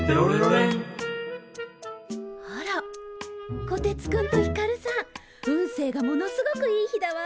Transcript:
あらコテツくんとひかるさん運勢がものすごくいい日だわ。